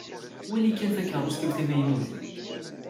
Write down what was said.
Wali kan takeṛṛust-iw tamaynut.